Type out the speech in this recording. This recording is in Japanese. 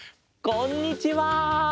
こんにちは。